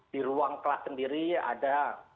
di ruang kelas sendiri ada